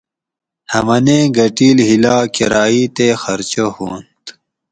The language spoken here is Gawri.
ہمنیں گۤھٹیل ہِیلا کرائی تے خرچہ ہُوانت